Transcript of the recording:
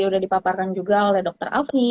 sudah dipaparkan juga oleh dr afi